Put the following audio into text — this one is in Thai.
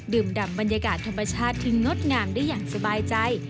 ดำบรรยากาศธรรมชาติที่งดงามได้อย่างสบายใจ